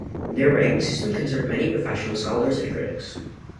Their ranking system concerned many professional scholars and critics.